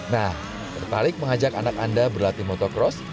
nah tertarik mengajak anak anda berlatih motocross